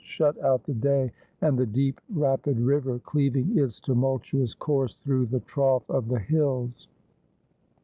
275 shut out the day, and the deep rapid river cleaving its tumultu ous course through the trough of the hills.